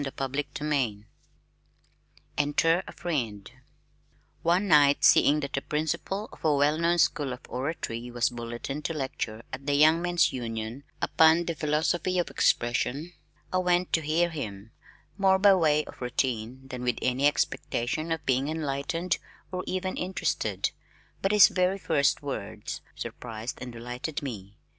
CHAPTER XXVII Enter a Friend One night seeing that the principal of a well known School of Oratory was bulletined to lecture at the Young Men's Union upon "The Philosophy of Expression" I went to hear him, more by way of routine than with any expectation of being enlightened or even interested, but his very first words surprised and delighted me.